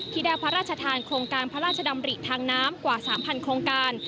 ที่ได้พระราชธานคลงการพระราชดำฤทางน้ำกว่าสามพันธุ์โครงการ